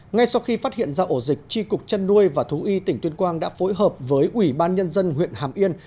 ngay sau khi phát hiện ra ổ dịch tri cục chăn nuôi và thú y tỉnh tuyên quang đã phối hợp với ủy ban nhân dân huyện hàm yên